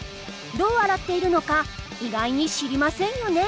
どう洗っているのか意外に知りませんよね。